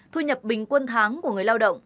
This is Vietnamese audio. thu nhập bình quân tháng của người lao động